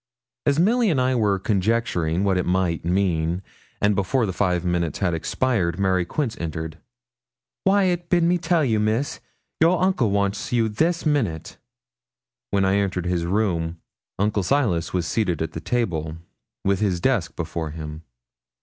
As Milly and I were conjecturing what it might mean, and before the five minutes had expired, Mary Quince entered. 'Wyat bid me tell you, Miss, your uncle wants you this minute.' When I entered his room, Uncle Silas was seated at the table, with his desk before him.